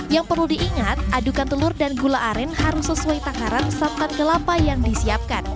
yang perlu diingat adukan telur dan gula aren harus sesuai takaran santan kelapa yang disiapkan